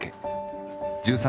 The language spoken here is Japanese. １３